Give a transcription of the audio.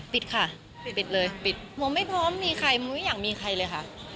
ปิดค่ะปิดเลยปิดหนูไม่พร้อมมีใครหนูไม่อยากมีใครเลยค่ะ